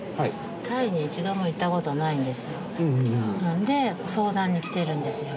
タイに一度も行ったことないんですよなので相談に来てるんですよ